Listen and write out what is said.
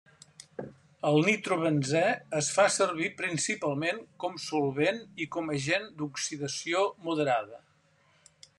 El nitrobenzè es fa servir principalment com solvent i com agent d'oxidació moderada.